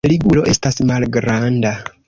Ligulo estas malgranda.